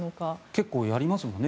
結構やりますもんね